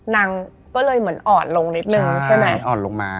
นางก็เลยเหมือนอ่อนลงนิดนึง